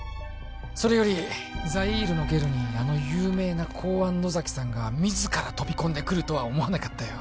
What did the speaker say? それよりザイールのゲルにあの有名な公安野崎さんが自ら飛び込んでくるとは思わなかったよ